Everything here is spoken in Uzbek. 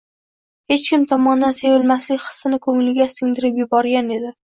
hech kim tomonidan sevilmaslik hissini ko'ngliga sing dirib yuborgan edi.